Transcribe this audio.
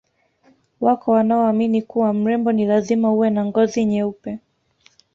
Wako wanaoamini kuwa mrembo ni lazima uwe na ngozi nyeupe